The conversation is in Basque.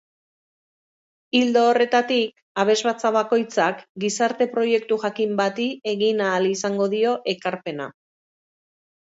Ildo horretatik, abesbatza bakoitzak gizarte-proiektu jakin bati egin ahal izango dio ekarpena.